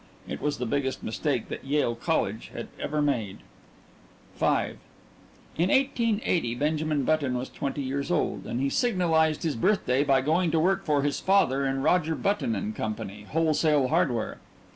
It was the biggest mistake that Yale College had ever made.... V In 1880 Benjamin Button was twenty years old, and he signalised his birthday by going to work for his father in Roger Button & Co., Wholesale Hardware.